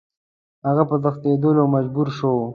هغه په ستنېدلو مجبور شو.